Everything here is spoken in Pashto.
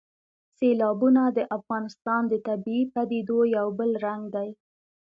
سیلابونه د افغانستان د طبیعي پدیدو یو بل رنګ دی.